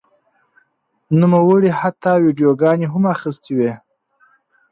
نوموړي حتی ویډیوګانې هم اخیستې وې.